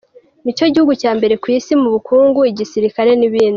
Ni cyo gihugu cya mbere ku Isi mu bukungu , igisirikare n’ ibindi.